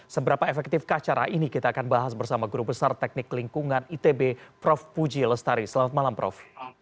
seberapa efektifkah cara ini kita akan bahas bersama guru besar teknik lingkungan itb prof puji lestari selamat malam prof